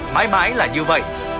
mãi mãi là như vậy